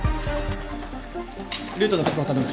ルートの確保頼む。